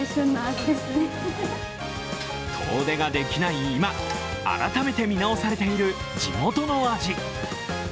遠出ができない今、改めて見直されている地元の味。